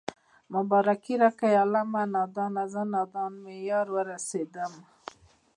مبارکي راکړئ عالمه نادانه زه نادان مې يار ورسېدنه